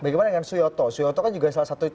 bagaimana dengan suyoto suyoto kan juga salah satu